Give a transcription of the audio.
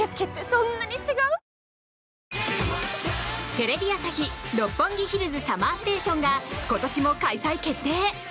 「テレビ朝日・六本木ヒルズＳＵＭＭＥＲＳＴＡＴＩＯＮ」が今年も開催決定！